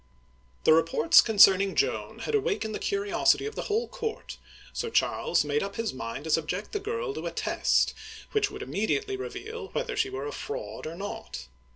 The reports concerning Joan had awakened the curiosity of the whole court, so Charles made up his mind to sub ject the girl to a test which would immediately reveal whether she were a fraud or not.